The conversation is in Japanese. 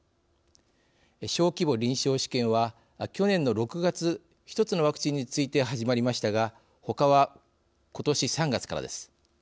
小規模臨床試験は去年の６月一つのワクチンについて始まりましたがほかはことし３月からです。